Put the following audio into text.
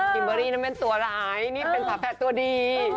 เบอรี่นั้นเป็นตัวร้ายนี่เป็นฝาแฝดตัวดี